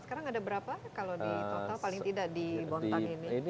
sekarang ada berapa kalau di total paling tidak di bontang ini